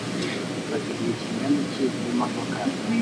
bifata igihe kingana iki n'imodoka